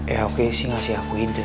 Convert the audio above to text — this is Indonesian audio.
ya oke sih kasih aku ide